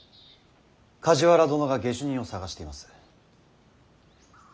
梶原殿が下手人を捜しています。